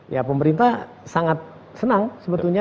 ya pemerintah sangat senang sebetulnya